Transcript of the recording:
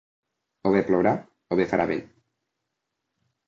O bé plourà o bé farà vent.